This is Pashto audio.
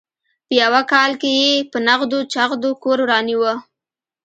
په یوه کال کې یې په نغدو چغدو کور رانیوه.